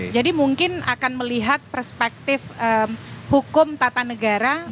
jadi mungkin akan melihat perspektif hukum tata negara